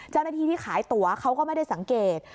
เจ้าหน้าที่ที่ขายตั๋วเขาก็ไม่ได้สังเกต